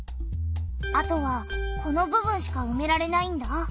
あとはこの部分しかうめられないんだ。